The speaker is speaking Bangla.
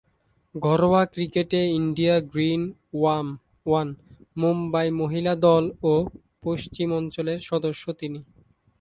ঘরোয়া ক্রিকেটে ইন্ডিয়া গ্রীন ওম্যান, মুম্বাই মহিলা দল ও পশ্চিম অঞ্চলের সদস্য তিনি।